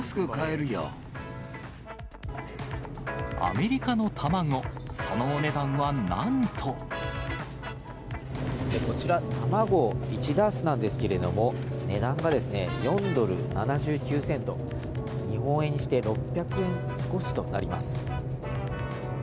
アメリカの卵、そのお値段はこちら、卵１ダースなんですけれども、値段が４ドル７９セント、日本円にして６００円少しとなります。